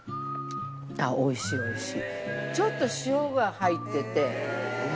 あっ、おいしい、おいしい。